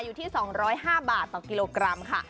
อยู่ที่๒๐๕บาทต่อกิโลกรัมค่ะ